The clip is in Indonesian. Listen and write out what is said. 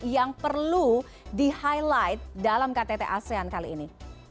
yang perlu di highlight dalam ktt asean kali ini